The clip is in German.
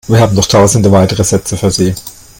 Wir haben noch tausende weitere Sätze für Sie.